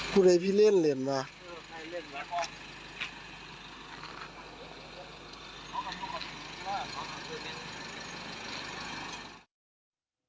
พูดให้พี่เล่นเหรียญมาเออใครเล่นเหรอพ่อ